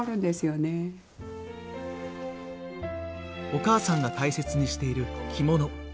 お母さんが大切にしている着物。